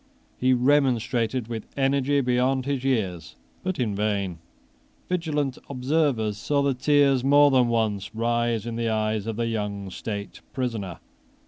He remonstrated with energy beyond his years, but in vain. Vigilant observers saw the tears more than once rise in the eyes of the young state prisoner.